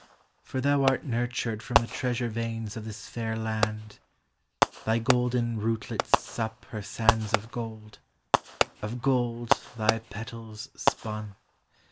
For thou art nurtured from the treasure veins Of this fair land: thy golden rootlets BUp Her sands of gold— of gold thy petals spun.